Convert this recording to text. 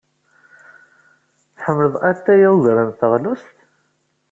Tḥemmleḍ atay ugar n teɣlust.